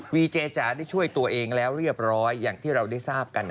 เจจ๋าได้ช่วยตัวเองแล้วเรียบร้อยอย่างที่เราได้ทราบกัน